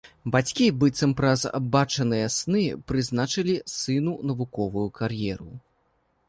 Бацькі, быццам праз бачаныя сны, прызначылі сыну навуковую кар'еру.